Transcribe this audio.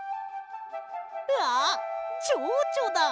あっチョウチョだ！